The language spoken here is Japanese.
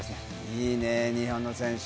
いいね、日本の選手。